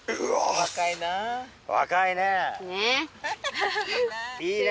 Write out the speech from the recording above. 若いね。